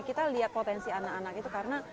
kita lihat potensi anak anak itu karena